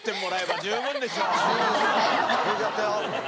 よかった！